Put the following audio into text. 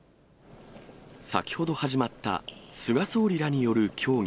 先ほど始まった菅総理らによる協議。